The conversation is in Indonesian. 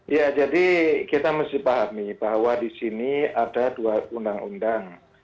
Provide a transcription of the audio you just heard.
ya jadi kita mesti pahami bahwa di sini ada dua undang undang